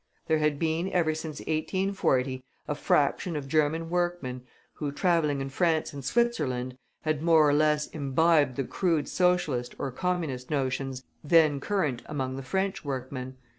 There had been ever since 1840 a fraction of German workmen, who, travelling in France and Switzerland, had more or less imbibed the crude Socialist or Communist notions then current among the French workmen.